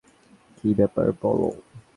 কি ব্যাপার বল।